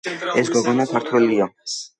ეს გოგონა ქართველია